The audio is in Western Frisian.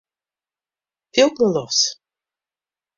Pylk nei lofts.